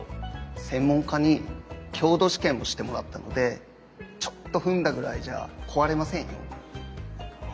専門家に強度試験もしてもらったのでちょっと踏んだぐらいじゃ壊れませんよ。